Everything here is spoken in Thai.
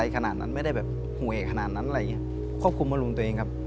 ขนาดนั้นอะไรอย่างนี้ควบคุมอารุณตัวเองครับ